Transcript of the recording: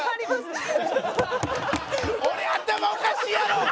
俺頭おかしいやろ！